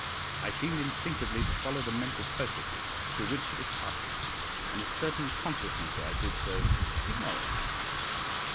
I seemed instinctively to follow the mental processes through which she was passing, and a certain consciousness that I did so demoralised her.